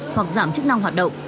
hoặc giảm chức năng hoạt động